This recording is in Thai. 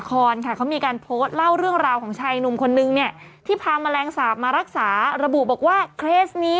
ของเขาสร้างว่าให้ใน๖๔ยายกระลาตาการี